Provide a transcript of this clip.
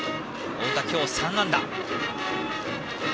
太田、今日３安打。